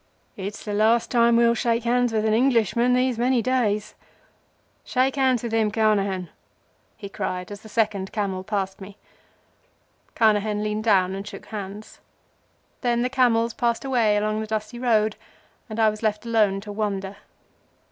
"It's the last time we'll shake hands with an Englishman these many days. Shake hands with him, Carnehan," he cried, as the second camel passed me. Carnehan leaned down and shook hands. Then the camels passed away along the dusty road, and I was left alone to wonder.